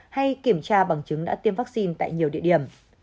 hay kiểm tra bằng chứng đã tiêm vaccine tại nhiều địa điểm